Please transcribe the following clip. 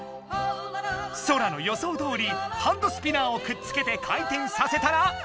ソラの予想どおりハンドスピナーをくっつけて回転させたらＣＤが立った！